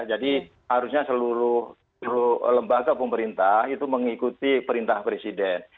jadi harusnya seluruh lembaga pemerintah itu mengikuti perintah presiden